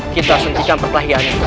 kita harus mencintai perkelahiannya